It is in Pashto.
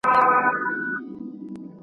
د پامیر دي، د هري، د ننګرهار دي !.